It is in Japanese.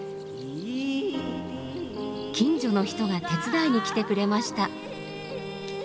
近所の人が手伝いに来てくれました。